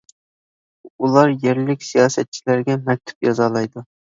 ئۇلار يەرلىك سىياسەتچىلەرگە مەكتۇپ يازالايدۇ.